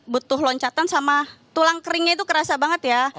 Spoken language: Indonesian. butuh loncatan sama tulang keringnya itu kerasa banget ya